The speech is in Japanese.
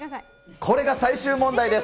これが最終問題です。